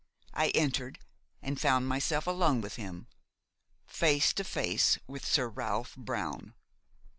I entered and found myself alone with him, face to face with Sir Ralph Brown.